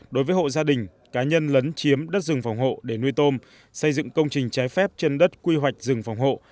đối với hộ gia đình cá nhân lấn chiếm đất rừng phòng hộ để nuôi tôm xây dựng công trình trái phép trên đất quy hoạch rừng phòng hộ